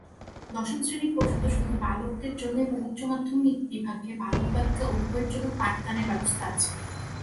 দশম শ্রেণি পর্যন্ত শুধু বালকদের জন্য এবং উচ্চ মাধ্যমিক বিভাগে বালক-বালিকা উভয়ের জন্য পাঠ দানের ব্যবস্থা আছে।